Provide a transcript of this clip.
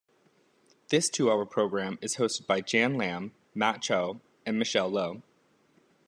This two-hour programme is hosted by Jan Lamb, Matt Chow and Michelle Lo.